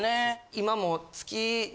今も。